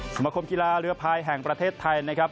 สมคมกีฬาเรือพายแห่งประเทศไทยนะครับ